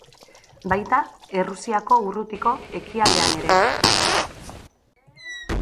Baita, Errusiako urrutiko ekialdean ere.